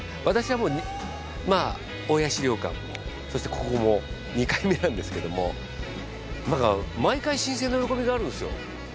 私はもう大谷資料館もそしてここも２回目なんですけどもなんか毎回新鮮な喜びがあるんですよ。